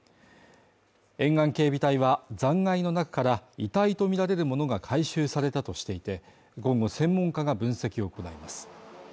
沿岸警備隊は、残骸の中から遺体とみられるものが回収されたとしていて今後専門家が分析を行います。